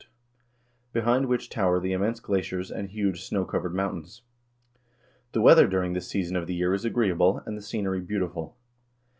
COLONIZATION OF GREENLAND 199 behind which tower the immense glaciers, and huge, snow covered mountains.1 The weather during this season of the year is agreeable, and the scenery beautiful.